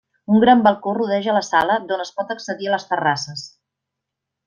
Un gran balcó rodeja la sala d'on es pot accedir a les terrasses.